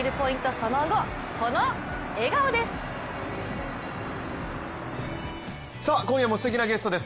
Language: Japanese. その５、この笑顔です。